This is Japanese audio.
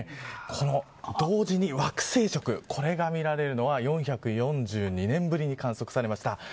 この同時に惑星食これが見られるのは４４２年ぶりに観測されました。